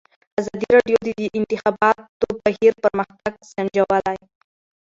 ازادي راډیو د د انتخاباتو بهیر پرمختګ سنجولی.